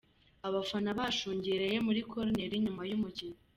Abafana bashungereye muri koruneri nyuma y'umukino.